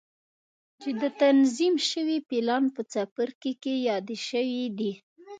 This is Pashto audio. چې د تنظيم شوي پلان په څپرکي کې يادې شوې دي.